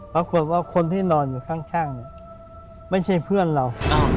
ปรากฏว่าคนที่นอนอยู่ข้างไม่ใช่เพื่อนเรา